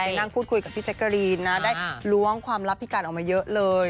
นั่งพูดคุยกับพี่แจ๊กกะรีนนะได้ล้วงความลับพี่การออกมาเยอะเลย